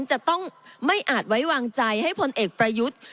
จะต้องไม่อาจไว้วางใจให้พลเอกประยุทธ์